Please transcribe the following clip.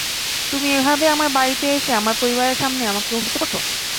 তুমি এভাবে আমার বাড়িতে এসে আমার পরিবারের সামনে আমাকে অভিযুক্ত করছো?